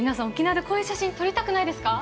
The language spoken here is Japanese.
こういう写真撮りたくないですか。